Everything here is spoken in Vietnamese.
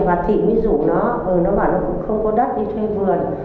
và thị mới rủ nó nó bảo nó cũng không có đất đi thuê vườn